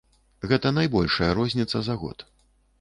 Гэта найбольшая розніца за год.